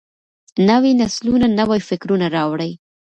نوي نسلونه نوي فکرونه راوړي.